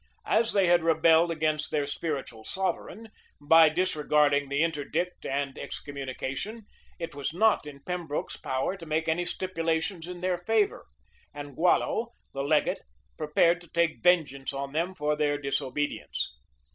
As they had rebelled against their spiritual sovereign, by disregarding the interdict and excommunication, it was not in Pembroke's power to make any stipulations in their favor; and Gualo, the legate, prepared to take vengeance on them for their disobedience.